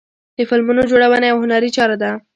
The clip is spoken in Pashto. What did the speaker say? د فلمونو جوړونه یوه هنري چاره ده.